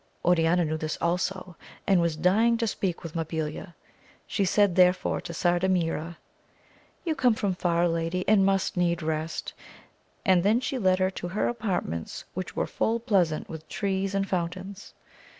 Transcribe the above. Oriana knew this also, and was dying to speak with Ma'bilia; she said therefore to Sardamira, you come from far lady, and must need rest, and then she led her to her apartments, which were full pleasant with trees and fountains.